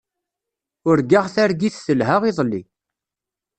Urgaɣ targit telha iḍelli.